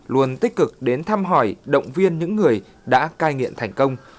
luôn tích cực đến thăm hỏi động viên những người đã cai nghiện thành công